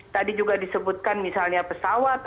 tadi juga disebutkan misalnya pesawat